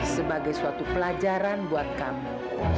sebagai suatu pelajaran buat kami